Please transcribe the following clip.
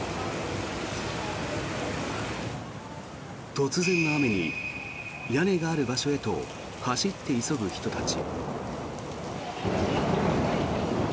突然の雨に屋根がある場所へと走って急ぐ人たち。